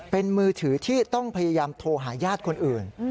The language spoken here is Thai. เป็นมือถือที่ต้องพยายามโทรหาญาติคนอื่น